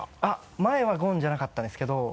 前はゴンじゃなかったんですけど。